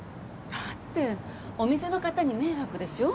だってお店の方に迷惑でしょ？